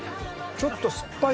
ちょっと酸っぱい。